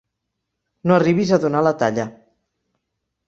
No arribis a donar la talla.